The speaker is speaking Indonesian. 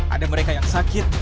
ada mereka yang sakit